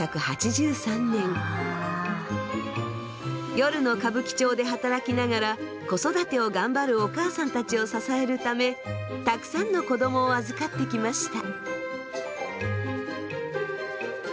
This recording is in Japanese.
夜の歌舞伎町で働きながら子育てを頑張るお母さんたちを支えるためたくさんの子供を預かってきました。